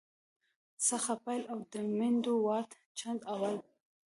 څخه پیل او د میوند واټ، چنداول